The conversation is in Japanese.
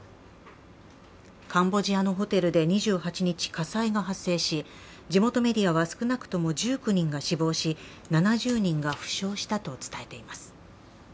カンボジアのホテルで２８日、火災が発生し地元メディアは、少なくとも１９人が死亡し、７０人が負傷したと伝えています。